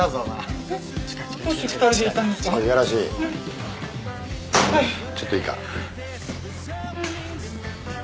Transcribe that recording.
はい。